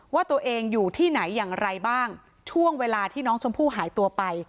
ว่าตัวเองอยู่ที่ไหนอย่างไรบ้างช่วงเวลาที่น้องชมพู่หายตัวไป